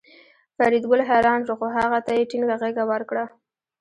فریدګل حیران شو خو هغه ته یې ټینګه غېږه ورکړه